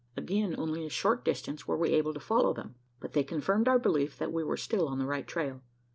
Again only a short distance were we able to follow them; but they confirmed our belief that we were still on the right trail.